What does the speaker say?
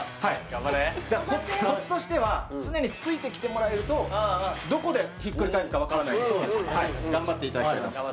頑張れコツとしては常についてきてもらえるとどこでひっくり返すか分からないんですはい頑張っていただきたいです